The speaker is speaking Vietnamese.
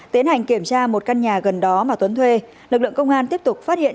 tiến hành kiểm tra một căn nhà gần đó mà tuấn thuê lực lượng công an tiếp tục phát hiện